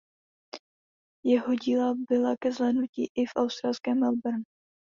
Jeho díla byla ke zhlédnutí i v australském Melbourne.